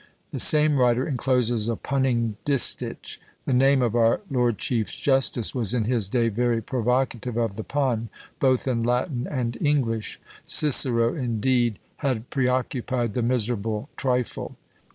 _ The same writer incloses a punning distich: the name of our lord chief justice was in his day very provocative of the pun, both in Latin and English; Cicero, indeed, had pre occupied the miserable trifle.